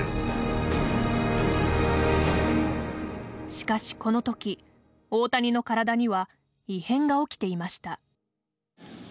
しかしこの時大谷の体には異変が起きていました。